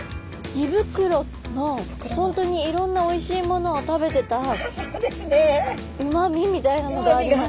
胃袋の本当にいろんなおいしいものを食べてたうまみみたいなのがあります。